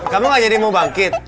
kamu gak jadi mau bangkit